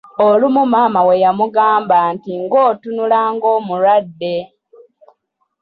Olumu maama we yamugamba nti "ng’otunula ng’omulwadde?".